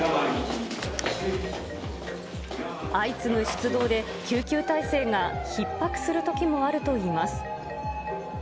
相次ぐ出動で、救急体制がひっ迫するときもあるといいます。